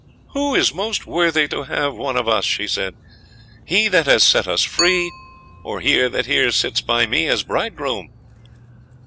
"Who is most worthy to have one of us," she said, "he that has set us free, or he that here sits by me as bridegroom?"